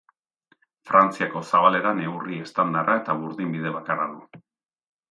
Frantziako zabalera neurri estandarra eta burdinbide bakarra du.